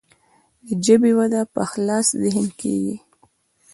د ژبې وده په خلاص ذهن کیږي.